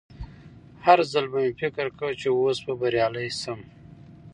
هر ځل به مې فکر کاوه چې اوس به بریالی شم